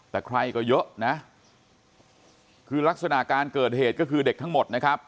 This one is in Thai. แต่ใครก็เยอะนะคือลักษณะการเกิดเหตุก็คือเด็กทั้งหมดนะครับ